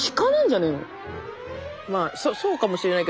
まあそうかもしれないけど。